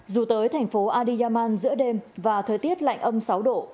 dù tới thành phố adiyaman giữa đêm và thời tiết lạnh âm sáu độ